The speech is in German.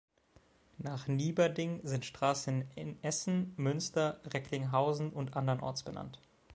Nach Nieberding sind Straßen in Essen, Münster, Recklinghausen und andernorts benannt.